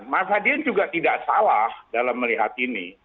mas hadian juga tidak salah dalam melihat ini